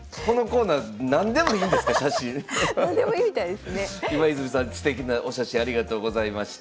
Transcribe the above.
すてきなお写真ありがとうございました。